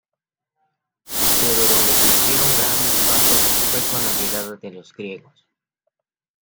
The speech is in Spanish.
Pero donde se hicieron grandes pasos fue con la llegada de los griegos.